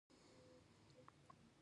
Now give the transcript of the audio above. د نیلوفر ګل د څه لپاره وکاروم؟